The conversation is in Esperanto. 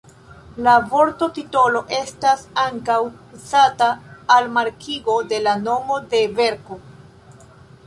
La vorto titolo estas ankaŭ uzata al markigo de nomo de verko.